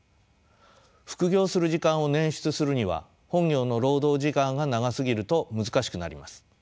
副業する時間を捻出するには本業の労働時間が長すぎると難しくなります。